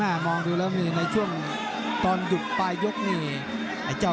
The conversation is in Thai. แม่มองดูแล้วในช่วงตอนตรงประยุขไลน์